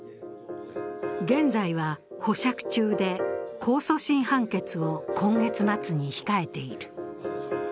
現在は保釈中で、控訴審判決を今月末に控えている。